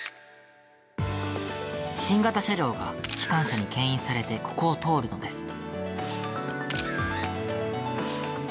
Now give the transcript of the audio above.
新型車両が機関車にけん引されて、ここを通るのです。